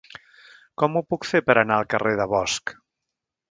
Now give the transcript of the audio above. Com ho puc fer per anar al carrer de Bosch?